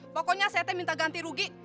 pokoknya ct minta ganti rugi